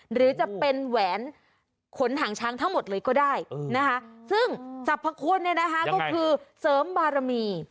หรือจะเป็นแหวนขนหางช้างทั้งหมดเลยก็ได้ซึ่งจับพระควรก็คือเสริมบารมี